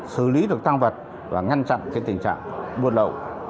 xử lý được tăng vật và ngăn chặn cái tình trạng buôn lậu